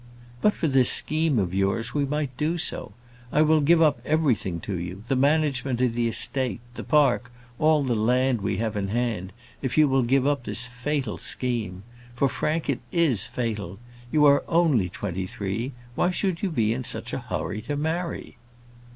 "But for this scheme of yours, we might do so. I will give up everything to you, the management of the estate, the park, all the land we have in hand, if you will give up this fatal scheme. For, Frank, it is fatal. You are only twenty three; why should you be in such a hurry to marry?"